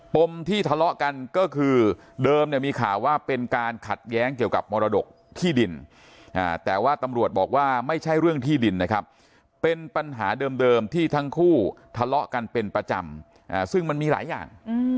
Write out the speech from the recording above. มที่ทะเลาะกันก็คือเดิมเนี่ยมีข่าวว่าเป็นการขัดแย้งเกี่ยวกับมรดกที่ดินแต่ว่าตำรวจบอกว่าไม่ใช่เรื่องที่ดินนะครับเป็นปัญหาเดิมที่ทั้งคู่ทะเลาะกันเป็นประจำซึ่งมันมีหลายอย่าง